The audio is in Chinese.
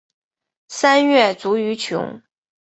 三月卒于琼。